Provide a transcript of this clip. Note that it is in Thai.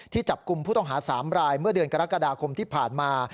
จับกลุ่มผู้ต้องหา๓รายเมื่อเดือนกรกฎาคมที่ผ่านมา